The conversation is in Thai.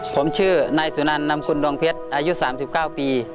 ผมชื่อนายสุนันนำกุลดวงเพชรอายุ๓๙ปี